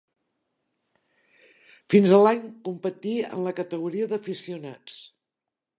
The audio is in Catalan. Fins a l'any competí en la categoria d'aficionats.